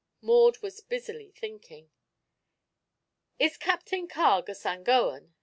Maud was busily thinking. "Is Captain Carg a Sangoan?"